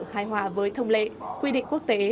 hài hòa với thông lệ quy định quốc tế